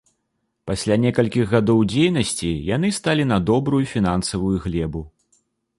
Пасля некалькіх гадоў дзейнасці яны сталі на добрую фінансавую глебу.